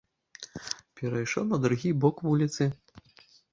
Перайшоў на другі бок вуліцы.